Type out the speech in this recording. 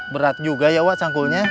berat juga ya wak cangkulnya